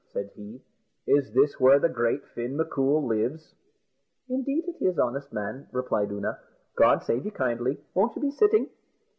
said he; "is this where the great Fin M'Coul lives?" "Indeed it is, honest man," replied Oonagh; "God save you kindly won't you be sitting?"